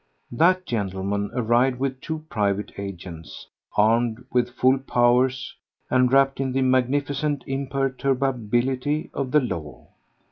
That gentleman arrived with two private agents, armed with full powers and wrapped in the magnificent imperturbability of the law.